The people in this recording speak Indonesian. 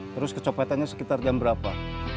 terus kecopetannya sekitar jam berapa